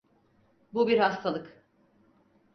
Bu bir hastalık.